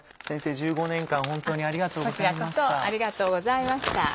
先生１５年間本当にありがとうございました。